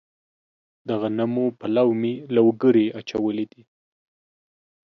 د غنمو په لو مې لوګري اچولي دي.